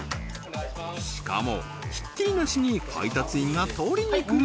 しかもひっきりなしに配達員が取りに来る